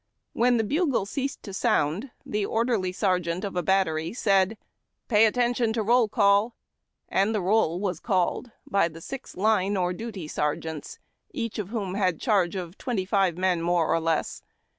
When the bugle ceased to sound, the orderly sergeant of a battery said, " Pay attention to Roll call "; and the roll was called by the six line or dut}^ sergeants, each of whom had charge of twenty five men, more or less.